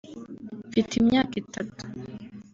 Mfite imyaka itatu